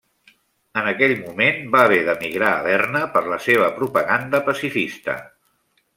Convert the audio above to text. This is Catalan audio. En aquell moment, va haver d'emigrar a Berna per la seva propaganda pacifista.